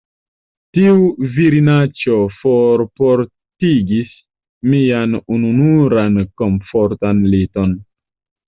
Tiu virinaĉo forportigis mian ununuran komfortan liton.